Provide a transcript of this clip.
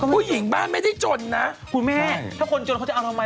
ผู้หญิงบ้านไม่ได้จนนะคุณแม่ถ้าคนจนเขาจะเอาทำไม